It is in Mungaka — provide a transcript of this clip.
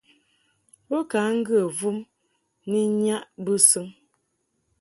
Bo ka ŋgə vum ni nnyaʼ bɨsɨŋ.